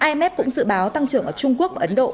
imf cũng dự báo tăng trưởng ở trung quốc và ấn độ